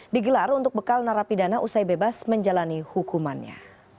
digelar untuk bekal narapidana usai bebas menjalani hukumannya